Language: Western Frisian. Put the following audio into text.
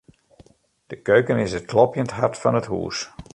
De keuken is it klopjend hart fan it hús.